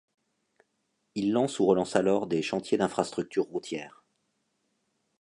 Il lance ou relance alors des chantiers d'infrastructures routières.